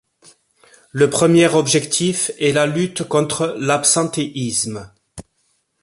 Le premier objectif est la lutte contre l’absentéisme.